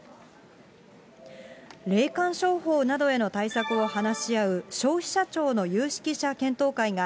霊感商法などへの対策を話し合う消費者庁の有識者検討会が、